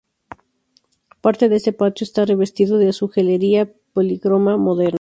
Parte de este patio está revestido de azulejería polícroma moderna.